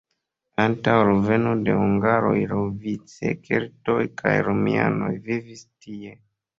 Antaŭ alveno de hungaroj laŭvice keltoj kaj romianoj vivis tie.